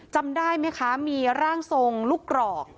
จำได้ไหมคะมีร่างทรงลูกกรอก